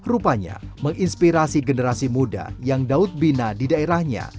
rupanya menginspirasi generasi muda yang daud bina di daerahnya